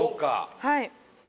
はい。